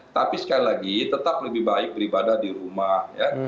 tapi sekali lagi tetap lebih baik beribadah di rumah ya